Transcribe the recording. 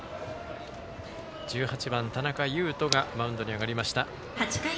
１８番、田中優飛がマウンドに上がりました。